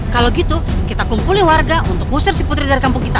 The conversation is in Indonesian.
kalau gitu kita kumpulin warga untuk ngusir si putri dari kampung kita